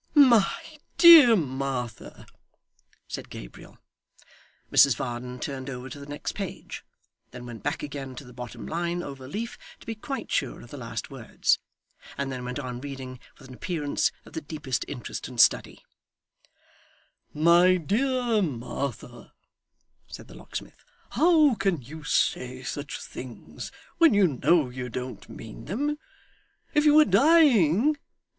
'My dear Martha ' said Gabriel. Mrs Varden turned over to the next page; then went back again to the bottom line over leaf to be quite sure of the last words; and then went on reading with an appearance of the deepest interest and study. 'My dear Martha,' said the locksmith, 'how can you say such things, when you know you don't mean them? If you were dying!